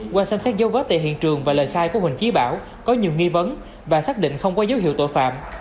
qua xem xét dấu vết tại hiện trường và lời khai của huỳnh trí bảo có nhiều nghi vấn và xác định không có dấu hiệu tội phạm